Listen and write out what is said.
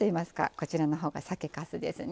こちらのほうが酒かすですね。